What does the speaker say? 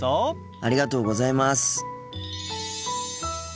ありがとうございます。